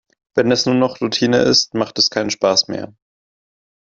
Wenn es nur noch Routine ist, macht es keinen Spaß mehr.